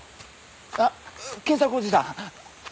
あっ賢作おじさん。